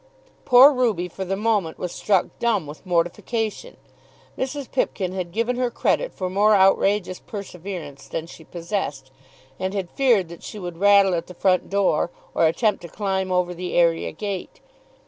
Poor Ruby for the moment was struck dumb with mortification. Mrs. Pipkin had given her credit for more outrageous perseverance than she possessed, and had feared that she would rattle at the front door, or attempt to climb over the area gate.